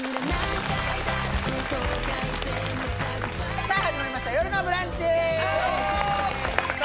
さあ始まりました「よるのブランチ」さあ